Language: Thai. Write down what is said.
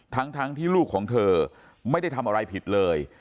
ทั้งที่ลูกของเธอไม่ได้ทำอะไรผิดเลย